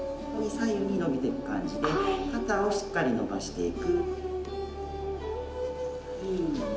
左右に伸びてく感じで肩をしっかり伸ばしていく。